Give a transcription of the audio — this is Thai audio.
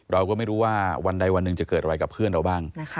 เราก็ไม่รู้ว่าวันใดวันหนึ่งจะเกิดอะไรกับเพื่อนเราบ้าง